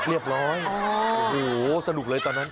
เรียบร้อยโอ้โหสนุกเลยตอนนั้น